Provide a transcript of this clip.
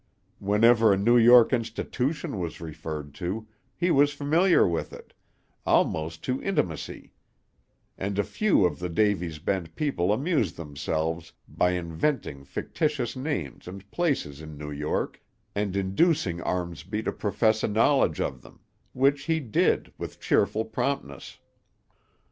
Whenever a New York institution was referred to, he was familiar with it, almost to intimacy; and a few of the Davy's Bend people amused themselves by inventing fictitious names and places in New York, and inducing Armsby to profess a knowledge of them, which he did with cheerful promptness.